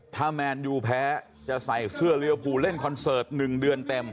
ถ้าแมนยูแพ้จะใส่เสื้อเรียวภูเล่นคอนเสิร์ต๑เดือนเต็ม